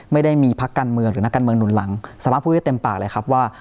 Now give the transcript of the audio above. ไม่ได้มีพักการเมืองหรือนักการเมืองหนุนหลังสามารถพูดได้เต็มปากเลยครับว่า